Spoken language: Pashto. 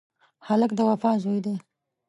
هلک د وفا زوی دی.